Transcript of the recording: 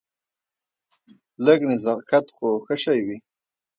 لږ نزاکت خو ښه شی وي.